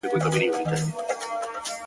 زنګوله که نه وي ټوله کار ورانېږي -